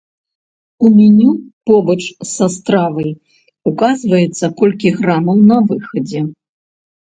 У меню побач са стравай указваецца колькі грамаў на выхадзе.